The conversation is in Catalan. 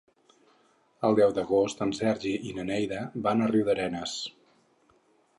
El deu d'agost en Sergi i na Neida van a Riudarenes.